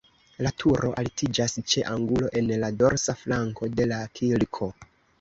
La turo altiĝas ĉe angulo en la dorsa flanko de la kirko.